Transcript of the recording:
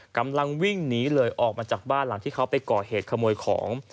กำลังวิ่งหนีเลยออกมาจากบ้านหลังที่เขาไปก่อเหตุขโมยของ